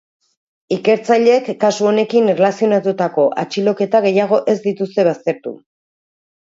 Ikertzaileek kasu honekin erlazionatutako atxiloketa gehiago ez dituzte baztertu.